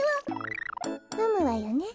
むわよね？